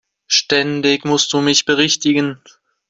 Ständig musst du mich berichtigen!